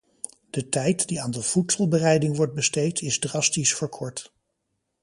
De tijd die aan de voedselbereiding wordt besteed is drastisch verkort.